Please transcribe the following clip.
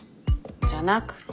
じゃなくて。